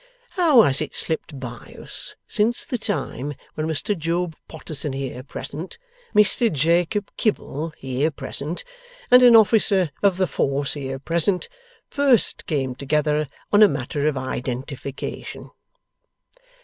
How has it slipped by us, since the time when Mr Job Potterson here present, Mr Jacob Kibble here present, and an Officer of the Force here present, first came together on a matter of Identification!